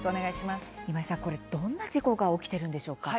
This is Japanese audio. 今井さん、これどんな事故が起きているんでしょうか。